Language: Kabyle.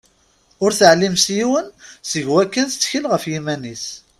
Ur teɛlim s yiwen seg wakken tettkel ɣef yiman-is.